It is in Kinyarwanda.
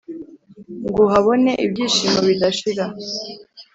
Ng’uhabone ibyishimo bidashira